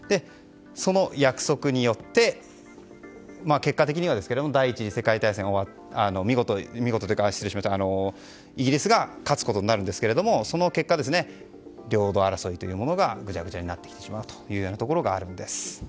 その約束によって結果的には第１次世界大戦はイギリスが勝つことになるんですがその結果、領土争いというものがぐちゃぐちゃになってきてしまうというところがあるんです。